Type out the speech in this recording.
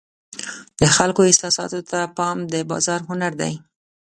د خلکو احساساتو ته پام د بازار هنر دی.